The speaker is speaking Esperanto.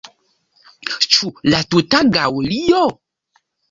Ĉu la tuta Gaŭlio?